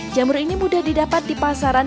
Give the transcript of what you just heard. jamur ini mudah didapat di pasaran